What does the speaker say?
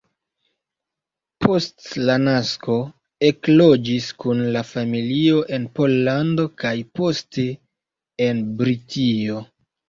Post la nasko ekloĝis kun la familio en Pollando, kaj poste en Britio.